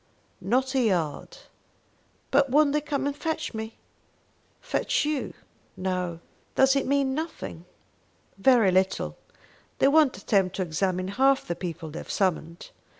"Not a yard." "But won't they come and fetch me?" "Fetch you? No." "Does it mean nothing." "Very little. They won't attempt to examine half the people they have summoned.